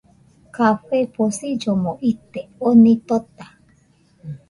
Café posillomo ite , oni tota